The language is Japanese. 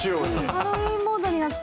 ハロウィーンモードになった！